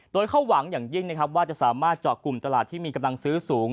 โดยเขาหวังอย่างยิ่งนะครับว่าจะสามารถเจาะกลุ่มตลาดที่มีกำลังซื้อสูง